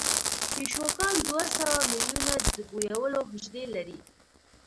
پیشوګان دوه سوه میلیونه د بویولو حجرې لري.